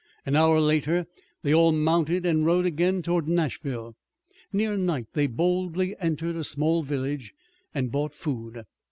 An hour later they all mounted and rode again toward Nashville. Near night they boldly entered a small village and bought food.